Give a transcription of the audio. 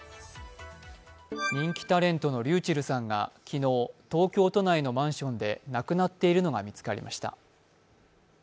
人気タレントのｒｙｕｃｈｅｌｌさんが、東京都内のマンションで亡くなっているのが見つかりました。